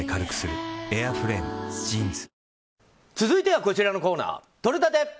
続いてはこちらのコーナーとれたて！